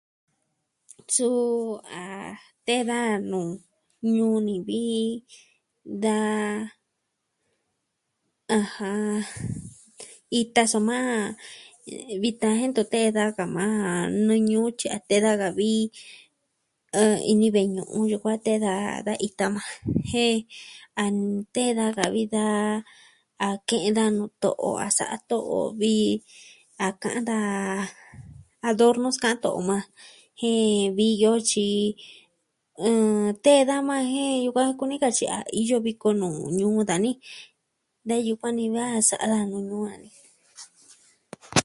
Suu a tee da nuu ñuu ni vi da... ɨjɨn... ita soma vitan jen ntu tee daa ka maa nuu ñuu tyi a tee daa da vii, eh, ini ve'i ñu'un yukuan tee daa da ita maa ja. Jen a ntee daa da vii da a ke'en daa nuu to'o a sa'a to'o vii, a ka'an daa adornos ka'an to'o maa jen vii iyo tyi... ɨɨ, tee daa maa jen yukuan kunee katyi a iyo viko nuu ñuu dani. Nee yukuan ni daa sa'a daa nuu nuu a ni.